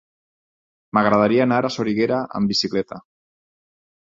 M'agradaria anar a Soriguera amb bicicleta.